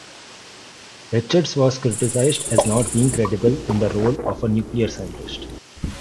Richards was criticised as not being credible in the role of a nuclear scientist.